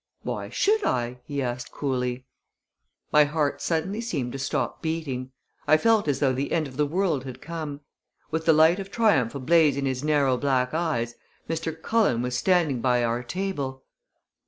"Why should I?" he asked coolly. My heart suddenly seemed to stop beating. I felt as though the end of the world had come. With the light of triumph ablaze in his narrow black eyes, Mr. Cullen was standing by our table!